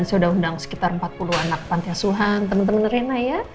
saya sudah undang sekitar empat puluh anak pantiasuhan teman teman rena ya